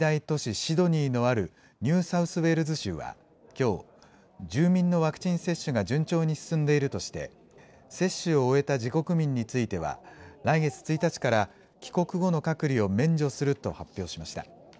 シドニーのあるニューサウスウェールズ州は、きょう、住民のワクチン接種が順調に進んでいるとして、接種を終えた自国民については、来月１日から、帰国後の隔離を免除すると発表しました。